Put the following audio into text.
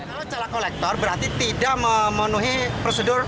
kalau celah kolektor berarti tidak memenuhi prosedur